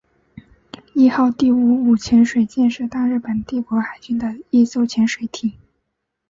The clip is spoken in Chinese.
伊号第五五潜水舰是大日本帝国海军的一艘潜水艇。